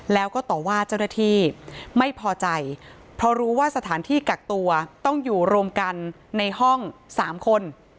แล้วก็ต่อว่าเจ้าหน้าที่ไม่พอใจเพราะรู้ว่าสถานที่กักตัวต้องอยู่รวมกันในห้อง๓คน